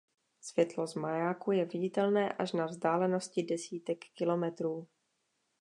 Světlo z majáku je viditelné až na vzdálenosti desítek kilometrů.